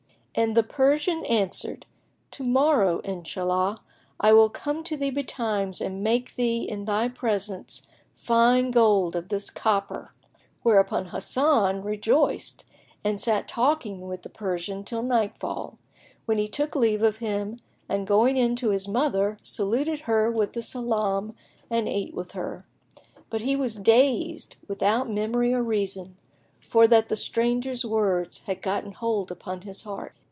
and the Persian answered, "To morrow, Inshallah, I will come to thee betimes and make thee in thy presence fine gold of this copper." Whereupon Hasan rejoiced and sat talking with the Persian till nightfall, when he took leave of him and going in to his mother, saluted her with the salam and ate with her; but he was dazed, without memory or reason, for that the stranger's words had gotten hold upon his heart.